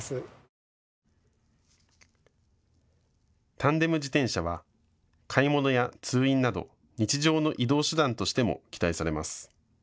タンデム自転車は買い物や通院など日常の移動手段としても期待されます。